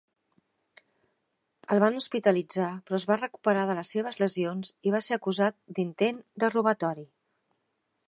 El van hospitalitzar, però es va recuperar de les seves lesions i va ser acusat d"intent de robatori.